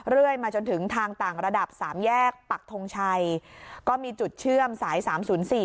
เรื่อยมาจนถึงทางต่างระดับสามแยกปักทงชัยก็มีจุดเชื่อมสายสามศูนย์สี่